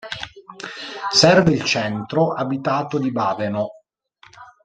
Serve il centro abitato di Baveno.